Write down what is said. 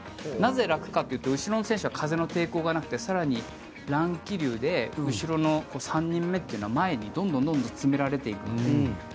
なぜ楽かというと後ろの選手は風の抵抗がなくて更に乱気流で後ろの３人目というのは前にどんどん詰められていくので。